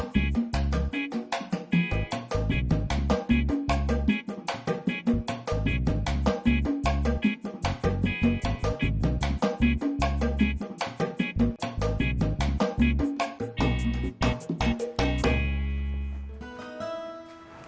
biar kau makan di restoran